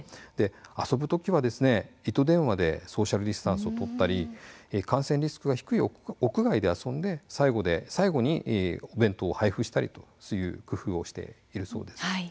遊ぶときは糸電話でソーシャルディスタンスを取ったり感染リスクが低い屋外で遊んで最後にお弁当を配布したりという工夫をしているそうです。